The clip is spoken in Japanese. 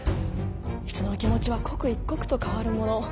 人の気持ちは刻一刻と変わるもの。